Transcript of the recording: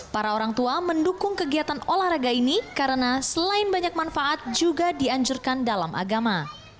para orang tua mendukung kegiatan olahraga ini karena selain banyak manfaat juga dianjurkan dalam agama